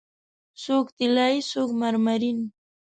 څوک طلایې، څوک مرمرین